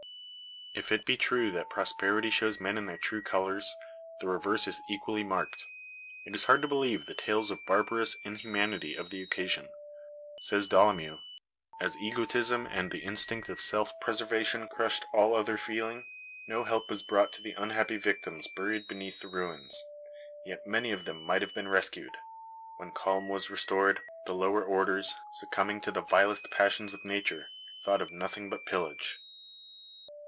If it be true that prosperity shows men in their true colors, the reverse is equally marked. It is hard to believe the tales of barbarous inhumanity of the occasion. Says Dolomieu: "As egotism and the instinct of self preservation crushed all other feeling, no help was brought to the unhappy victims buried beneath the ruins; yet many of them might have been rescued. When calm was restored, the lower orders, succumbing to the vilest passions of nature, thought of nothing but pillage."